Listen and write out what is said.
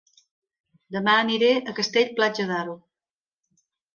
Dema aniré a Castell-Platja d'Aro